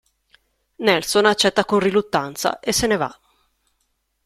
Nelson accetta con riluttanza e se ne va.